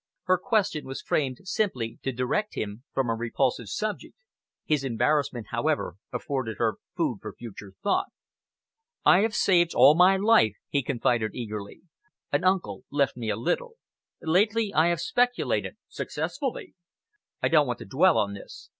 Her question was framed simply to direct him from a repulsive subject. His embarrassment, however, afforded her food for future thought. "I have saved money all my life," he confided eagerly. "An uncle left me a little. Lately I have speculated successfully. I don't want to dwell on this.